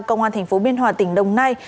công an tp biên hòa tỉnh đồng nai